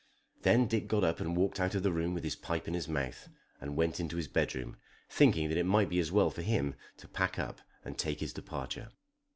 Then Dick got up and walked out of the room with his pipe in his mouth, and went into his bedroom, thinking that it might be as well for him to pack up and take his departure.